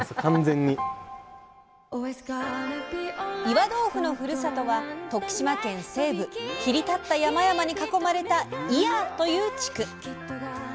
岩豆腐のふるさとは徳島県西部切り立った山々に囲まれた祖谷という地区。